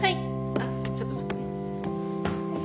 あっちょっと待ってね。